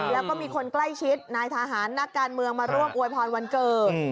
แล้วก็มีคนใกล้ชิดนายทหารนักการเมืองมาร่วมอวยพรวันเกิด